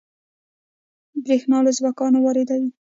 بریښنا له ازبکستان واردوي